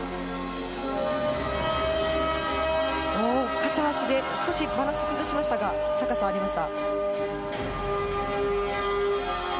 片足で少しバランスを崩しましたが、高さがありました。